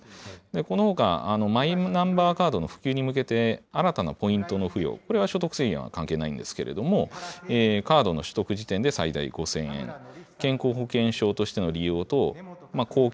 このほか、マイナンバーカードの普及に向けて、新たなポイントの付与、これは所得制限は関係ないんですけれども、カードの取得時点で最大５０００円、健康保険証としての利用と公金